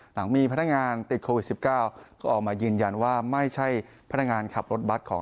หลังมีพนักงานติดโควิด๑๙ก็ออกมายืนยันว่าไม่ใช่พนักงานขับรถบัตรของ